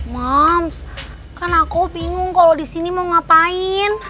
mams kan aku bingung kalau disini mau ngapain